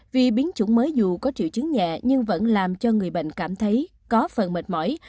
vì biến chủng mới dù có triệu chứng nhẹ nhưng vẫn làm cho người bệnh cảm thấy có phần mệt mỏi